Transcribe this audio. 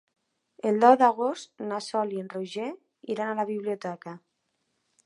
El deu d'agost na Sol i en Roger iran a la biblioteca.